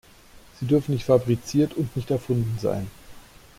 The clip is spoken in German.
Sie dürfen nicht fabriziert und nicht erfunden sein.